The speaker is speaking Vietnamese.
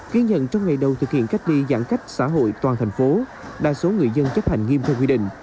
ghi nhận trong ngày đầu thực hiện cách ly giãn cách xã hội toàn thành phố đa số người dân chấp hành nghiêm theo quy định